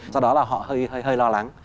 do đó là họ hơi lo lắng